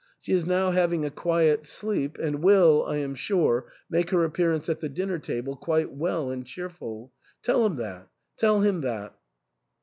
She is now having a quiet sleep, and will, I am sure, make her apearance at the dinner table quite well and cheerful. Tell him that — tell him that."